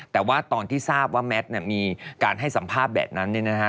แต่ว่าตอนที่ทราบว่าแมทมีการให้สัมภาษณ์แบบนั้นเนี่ยนะฮะ